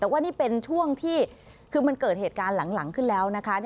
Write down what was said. แต่ว่านี่เป็นช่วงที่คือมันเกิดเหตุการณ์หลังขึ้นแล้วนะคะ